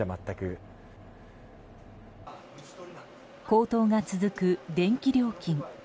高騰が続く電気料金。